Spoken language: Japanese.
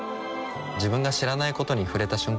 自分が知らないことに触れた瞬間